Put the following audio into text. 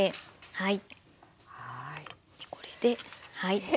はい。